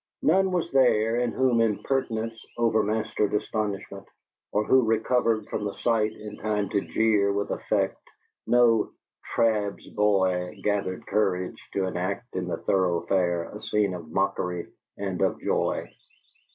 None was there in whom impertinence overmastered astonishment, or who recovered from the sight in time to jeer with effect; no "Trab's boy" gathered courage to enact in the thoroughfare a scene of mockery and of joy.